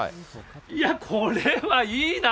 いや、これはいいな。